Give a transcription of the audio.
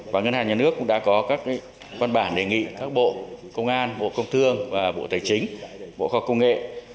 và ngân hàng nhà nước cũng đã có các văn bản đề nghị các bộ công an bộ công thương và bộ tài chính bộ khoa công nghệ